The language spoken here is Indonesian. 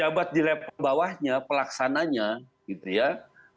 nah bahwa di pejabat di bawahnya pelaksananya ya yang terjadi adalah penanggung jawab keamanan di kota itu